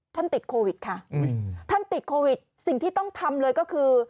ท่านติดโควิดค่ะสิ่งที่ต้องทำเลยก็คือ